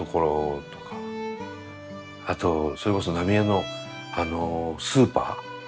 あとそれこそ浪江のあのスーパー。